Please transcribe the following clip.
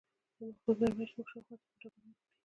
د هغوې مرمۍ زموږ شاوخوا ته پر ډبرو مښتې.